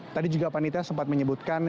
tadi juga panitia sempat menyebutkan